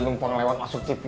numpang lewat masuk tv